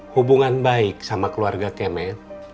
hubungan baik sama keluarga kemen